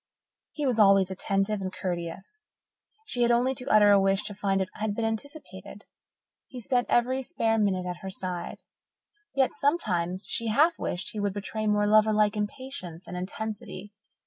He was always attentive and courteous. She had only to utter a wish to find that it had been anticipated; he spent every spare minute at her side. Yet sometimes she half wished he would betray more lover like impatience and intensity.